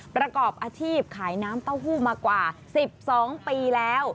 ประกอบอาชีพขายน้ำเต้าหู้มากว่า๑๒ปีแล้ว